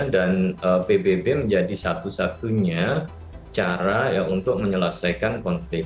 dan pbb menjadi satu satunya cara untuk menyelesaikan konflik